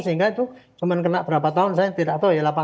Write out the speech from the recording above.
sehingga itu cuma kena berapa tahun saya tidak tahu ya